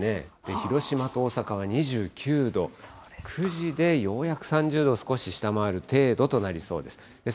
広島と大阪は２９度、９時でようやく３０度を少し下回る程度となりそうです。